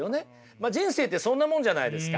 まあ人生ってそんなもんじゃないですか。